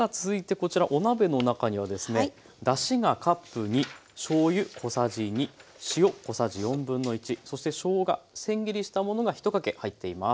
こちらお鍋の中にはですねだしがカップ２しょうゆ小さじ２塩小さじ1/4そしてしょうがせん切りしたものが１かけ入っています。